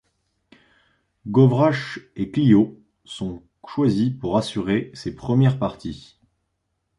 Govrache et Clio sont choisis pour assurer ses premières parties.